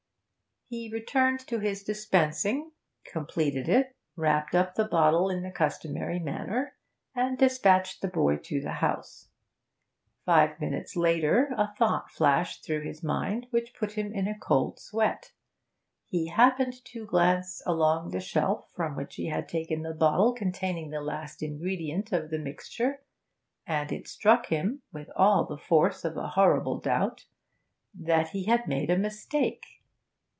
He returned to his dispensing, completed it, wrapped up the bottle in the customary manner, and despatched the boy to the house. Five minutes later a thought flashed through his mind which put him in a cold sweat. He happened to glance along the shelf from which he had taken the bottle containing the last ingredient of the mixture, and it struck him, with all the force of a horrible doubt, that he had made a mistake.